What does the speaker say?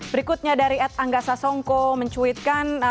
berikutnya dari ed anggasa songko mencuitkan